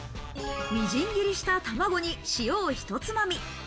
みじん切りした卵に塩をひとつまみ。